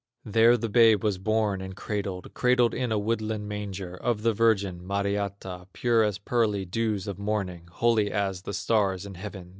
There the babe was born and cradled Cradled in a woodland manger, Of the virgin, Mariatta, Pure as pearly dews of morning, Holy as the stars in heaven.